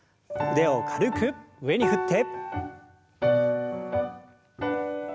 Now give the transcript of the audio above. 腕を軽く上に振って。